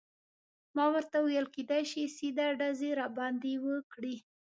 ما ورته وویل: کیدای شي سیده ډزې راباندې وکړي.